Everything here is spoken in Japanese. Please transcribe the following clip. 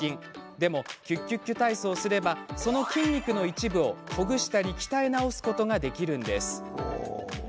でも、ＱＱＱ体操をすればその筋肉の一部をほぐしたり鍛え直すことができるんです。